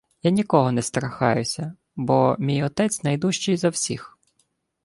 — Я нікого не страхаюся, бо мій отець найдужчий за всіх!